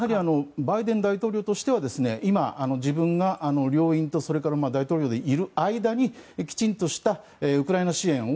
バイデン大統領としては今、自分が両院と大統領でいる間にきちんとしたウクライナ支援を